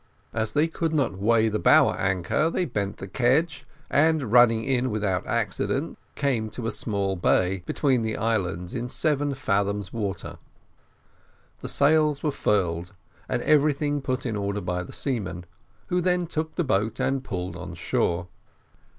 As they could not weigh the bower anchor, they bent the kedge, and, running in without accident, came to in a small bay, between the islands, in seven fathoms water. The sails were furled, and everything put in order by the seamen, who then took the boat and pulled on shore.